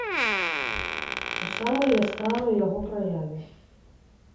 У самай яскравай яго праяве.